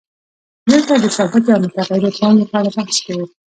دلته د ثابتې او متغیرې پانګې په اړه بحث کوو